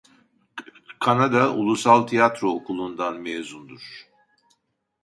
Kanada Ulusal Tiyatro Okulu'ndan mezundur.